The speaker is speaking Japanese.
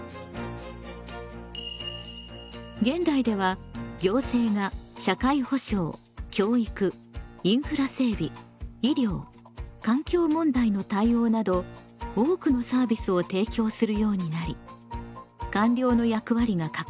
現代では行政が社会保障教育インフラ整備医療環境問題の対応など多くのサービスを提供するようになり官僚の役割が拡大しています。